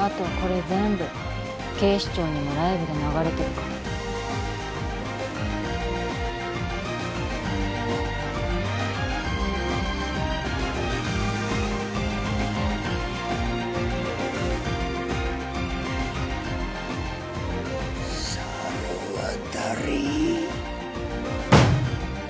あとこれ全部警視庁にもライブで流れてるから猿渡！